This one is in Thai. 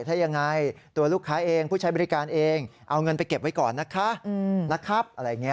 ถ้ายังไงตัวลูกค้าเองผู้ใช้บริการเองเอาเงินไปเก็บไว้ก่อนนะคะนะครับอะไรอย่างนี้